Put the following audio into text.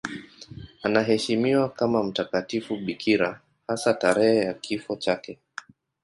Anaheshimiwa kama mtakatifu bikira, hasa tarehe ya kifo chake.